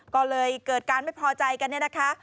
ก็เลยเกิดการไม่พอใจกันเนี่ยนะคะ